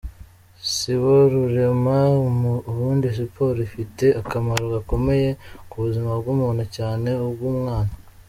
Siborurema: Ubundi siporo ifite akamaro gakomeye ku buzima bwa muntu cyane ubw’umwana.